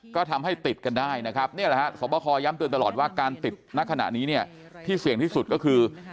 ก็ทำให้ติดกันได้นี่แหละศพคอย้ำเตือนตลอดว่าการติดในขณะนี้ที่เสี่ยงที่สุดก็คือ